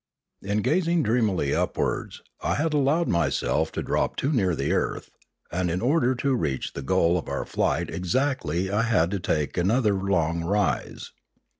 In gazing dreamily upwards, I had allowed myself to drop too near the earth, and in order to reach the goal of our flight exactly I had to take another long rise.